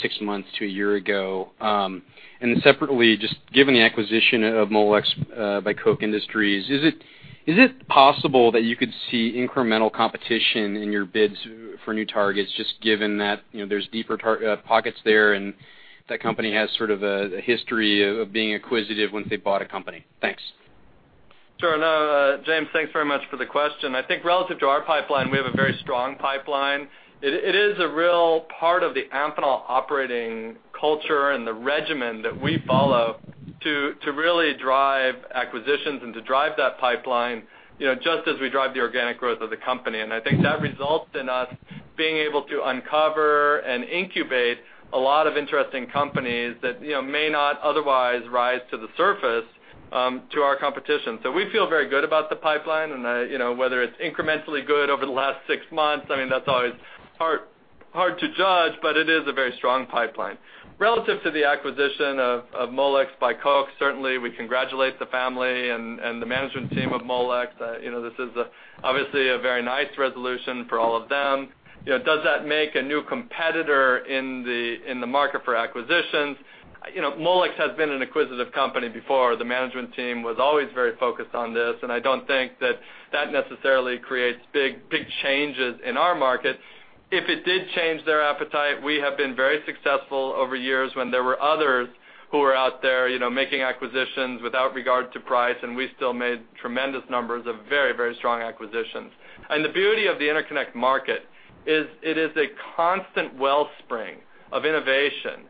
six months to a year ago? And separately, just given the acquisition of Molex by Koch Industries, is it possible that you could see incremental competition in your bids for new targets just given that there's deeper pockets there and that company has sort of a history of being acquisitive once they bought a company? Thanks. Sure. No, James, thanks very much for the question. I think relative to our pipeline, we have a very strong pipeline. It is a real part of the Amphenol operating culture and the regimen that we follow to really drive acquisitions and to drive that pipeline just as we drive the organic growth of the company. And I think that results in us being able to uncover and incubate a lot of interesting companies that may not otherwise rise to the surface to our competition. So we feel very good about the pipeline. And whether it's incrementally good over the last six months, I mean, that's always hard to judge, but it is a very strong pipeline. Relative to the acquisition of Molex by Koch, certainly we congratulate the family and the management team of Molex. This is obviously a very nice resolution for all of them. Does that make a new competitor in the market for acquisitions? Molex has been an acquisitive company before. The management team was always very focused on this, and I don't think that that necessarily creates big changes in our market. If it did change their appetite, we have been very successful over years when there were others who were out there making acquisitions without regard to price, and we still made tremendous numbers of very, very strong acquisitions. The beauty of the interconnect market is it is a constant wellspring of innovation,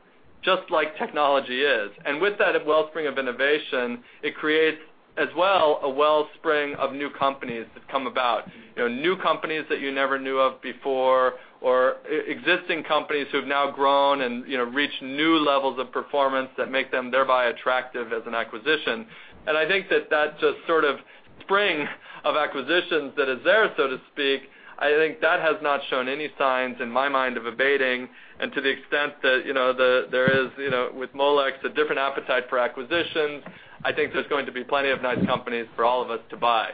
just like technology is. With that wellspring of innovation, it creates as well a wellspring of new companies that come about, new companies that you never knew of before or existing companies who have now grown and reached new levels of performance that make them thereby attractive as an acquisition. I think that that just sort of spring of acquisitions that is there, so to speak, I think that has not shown any signs in my mind of abating. To the extent that there is with Molex a different appetite for acquisitions, I think there's going to be plenty of nice companies for all of us to buy.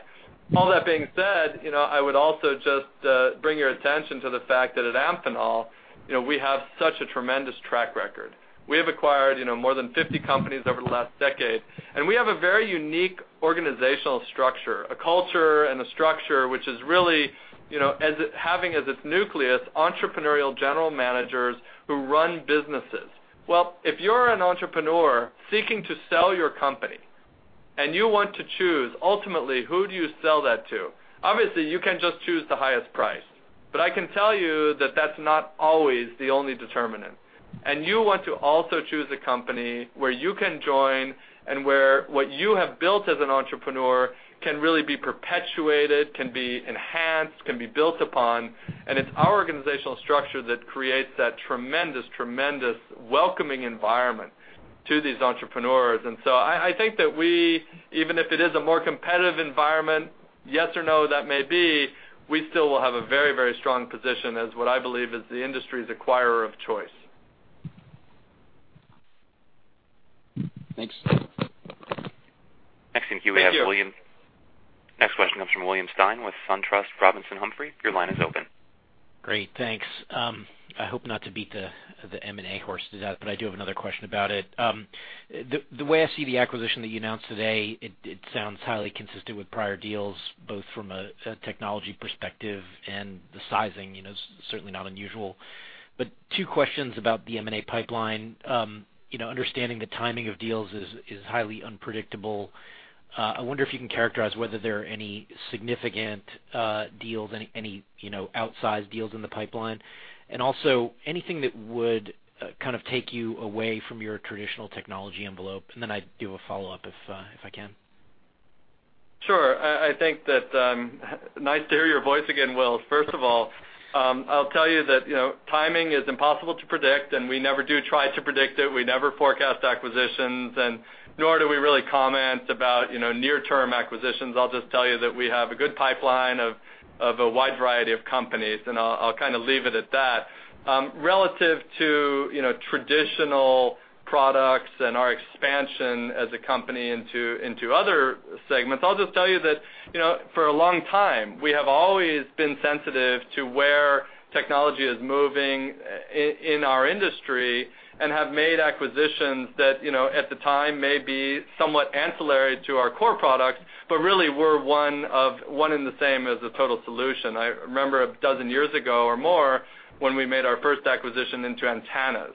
All that being said, I would also just bring your attention to the fact that at Amphenol, we have such a tremendous track record. We have acquired more than 50 companies over the last decade, and we have a very unique organizational structure, a culture and a structure which is really having as its nucleus entrepreneurial general managers who run businesses. Well, if you're an entrepreneur seeking to sell your company and you want to choose ultimately who do you sell that to, obviously you can't just choose the highest price. But I can tell you that that's not always the only determinant. And you want to also choose a company where you can join and where what you have built as an entrepreneur can really be perpetuated, can be enhanced, can be built upon. And it's our organizational structure that creates that tremendous, tremendous welcoming environment to these entrepreneurs. And so I think that we, even if it is a more competitive environment, yes or no that may be, we still will have a very, very strong position as what I believe is the industry's acquirer of choice. Thanks. Next in queue we have William. Next question comes from William Stein with SunTrust Robinson Humphrey. Your line is open. Great. Thanks. I hope not to beat the M&A horse to death, but I do have another question about it. The way I see the acquisition that you announced today, it sounds highly consistent with prior deals, both from a technology perspective and the sizing, certainly not unusual. But two questions about the M&A pipeline. Understanding the timing of deals is highly unpredictable. I wonder if you can characterize whether there are any significant deals, any outsized deals in the pipeline, and also anything that would kind of take you away from your traditional technology envelope. And then I do have a follow-up if I can. Sure. I think that's nice to hear your voice again, Will. First of all, I'll tell you that timing is impossible to predict, and we never do try to predict it. We never forecast acquisitions, and nor do we really comment about near-term acquisitions. I'll just tell you that we have a good pipeline of a wide variety of companies, and I'll kind of leave it at that. Relative to traditional products and our expansion as a company into other segments, I'll just tell you that for a long time, we have always been sensitive to where technology is moving in our industry and have made acquisitions that at the time may be somewhat ancillary to our core products, but really were one and the same as a total solution. I remember a dozen years ago or more when we made our first acquisition into antennas.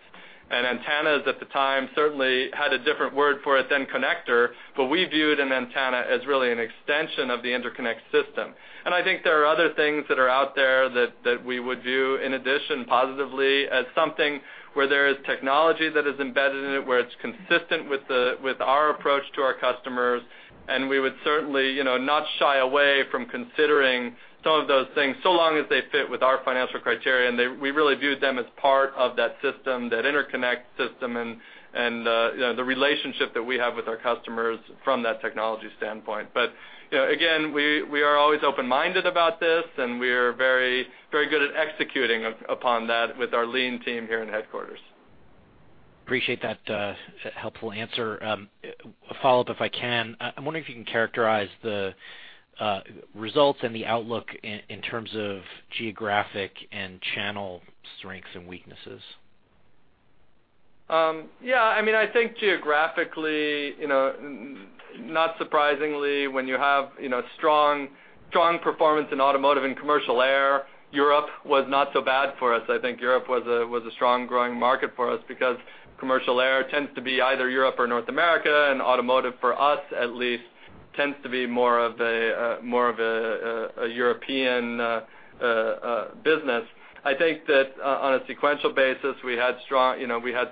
Antennas at the time certainly had a different word for it than connector, but we viewed an antenna as really an extension of the interconnect system. I think there are other things that are out there that we would view in addition positively as something where there is technology that is embedded in it, where it's consistent with our approach to our customers. We would certainly not shy away from considering some of those things so long as they fit with our financial criteria. We really viewed them as part of that system, that interconnect system and the relationship that we have with our customers from that technology standpoint. But again, we are always open-minded about this, and we are very good at executing upon that with our lean team here in headquarters. Appreciate that helpful answer. A follow-up, if I can. I'm wondering if you can characterize the results and the outlook in terms of geographic and channel strengths and weaknesses. Yeah. I mean, I think geographically, not surprisingly, when you have strong performance in automotive and commercial air, Europe was not so bad for us. I think Europe was a strong growing market for us because commercial air tends to be either Europe or North America, and automotive for us at least tends to be more of a European business. I think that on a sequential basis, we had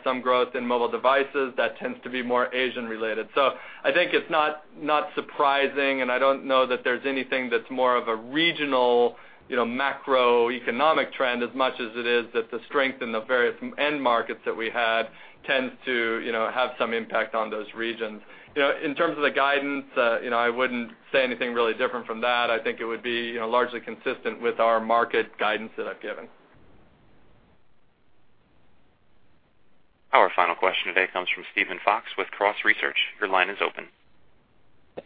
some growth in mobile devices. That tends to be more Asian-related. So I think it's not surprising, and I don't know that there's anything that's more of a regional macroeconomic trend as much as it is that the strength in the various end markets that we had tends to have some impact on those regions. In terms of the guidance, I wouldn't say anything really different from that. I think it would be largely consistent with our market guidance that I've given. Our final question today comes from Steven Fox with Cross Research. Your line is open.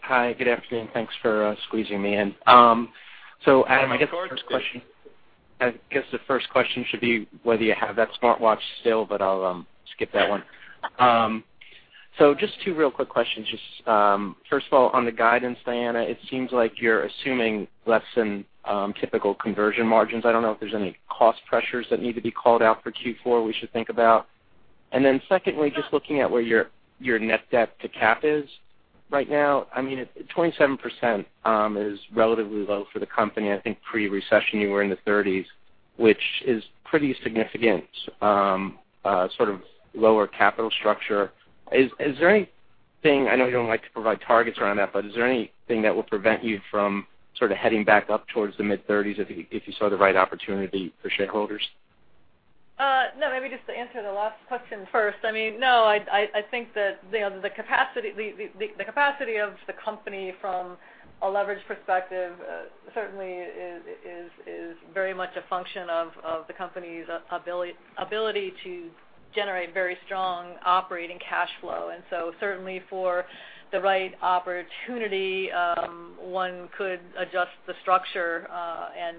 Hi. Good afternoon. Thanks for squeezing me in. So Adam, I guess the first question should be whether you have that smartwatch still, but I'll skip that one. So just two real quick questions. First of all, on the guidance, Diana, it seems like you're assuming less than typical conversion margins. I don't know if there's any cost pressures that need to be called out for Q4 we should think about. And then secondly, just looking at where your net debt to cap is right now, I mean, 27% is relatively low for the company. I think pre-recession you were in the 30s, which is pretty significant, sort of lower capital structure. Is there anything? I know you don't like to provide targets around that, but is there anything that would prevent you from sort of heading back up towards the mid-30s if you saw the right opportunity for shareholders? No. Maybe just to answer the last question first. I mean, no, I think that the capacity of the company from a leverage perspective certainly is very much a function of the company's ability to generate very strong operating cash flow. And so certainly for the right opportunity, one could adjust the structure, and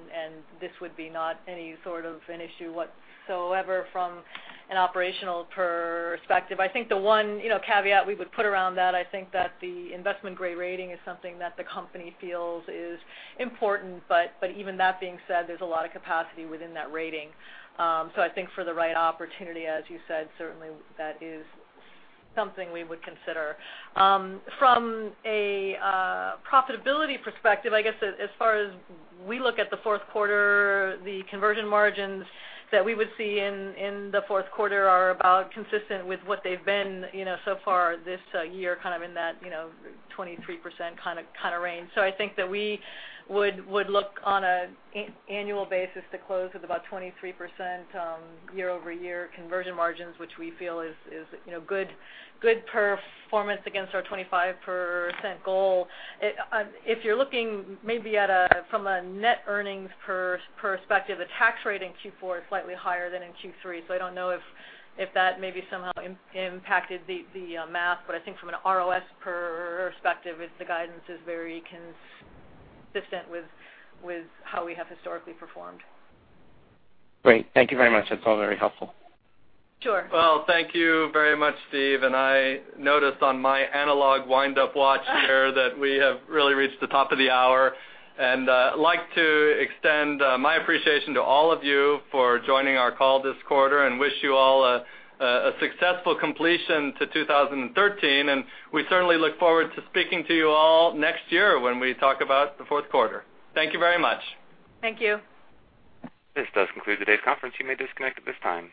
this would be not any sort of an issue whatsoever from an operational perspective. I think the one caveat we would put around that. I think that the investment-grade rating is something that the company feels is important. But even that being said, there's a lot of capacity within that rating. So I think for the right opportunity, as you said, certainly that is something we would consider. From a profitability perspective, I guess as far as we look at the fourth quarter, the conversion margins that we would see in the fourth quarter are about consistent with what they've been so far this year, kind of in that 23% kind of range. So I think that we would look on an annual basis to close with about 23% year-over-year conversion margins, which we feel is good performance against our 25% goal. If you're looking maybe from a net earnings perspective, the tax rate in Q4 is slightly higher than in Q3. So I don't know if that maybe somehow impacted the math, but I think from an ROS perspective, the guidance is very consistent with how we have historically performed. Great. Thank you very much. That's all very helpful. Sure. Well, thank you very much, Steve. I noticed on my analog wind-up watch here that we have really reached the top of the hour. I'd like to extend my appreciation to all of you for joining our call this quarter and wish you all a successful completion to 2013. We certainly look forward to speaking to you all next year when we talk about the fourth quarter. Thank you very much. Thank you. This does conclude today's conference. You may disconnect at this time.